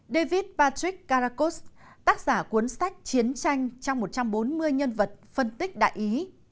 david patrick caracos tác giả cuốn sách chiến tranh trong một trăm bốn mươi nhân vật phân tích đại ý